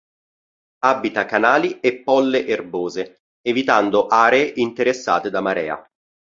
Abita canali e polle erbose, evitando aree interessate da marea.